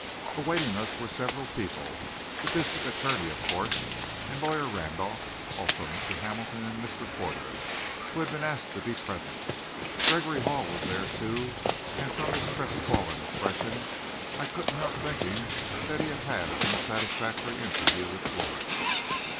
Awaiting us were several people. The district attorney, of course, and Lawyer Randolph. Also Mr. Hamilton and Mr. Porter, who had been asked to be present. Gregory Hall was there, too, and from his crestfallen expression, I couldn't help thinking that he had had an unsatisfactory interview with Florence.